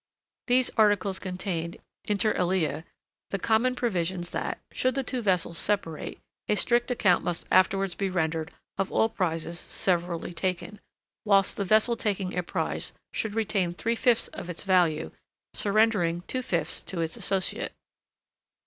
These articles contained, inter alia, the common provisions that, should the two vessels separate, a strict account must afterwards be rendered of all prizes severally taken, whilst the vessel taking a prize should retain three fifths of its value, surrendering two fifths to its associate.